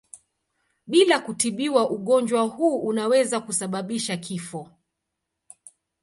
Bila kutibiwa ugonjwa huu unaweza kusababisha kifo.